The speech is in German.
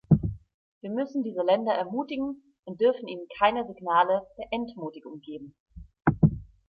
Wir müssen diese Länder ermutigen und dürfen ihnen keine Signale der Entmutigung geben.